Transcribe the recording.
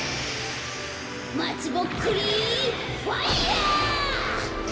まつぼっくりファイアー！